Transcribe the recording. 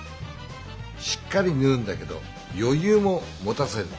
しっかりぬうんだけどよゆうも持たせる。